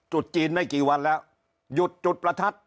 จุดจีนไม่กี่วันแล้วหยุดจุดประทัด